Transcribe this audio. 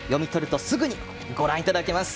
すぐにご覧いただけます。